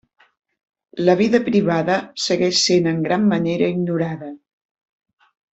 La vida privada segueix sent en gran manera ignorada.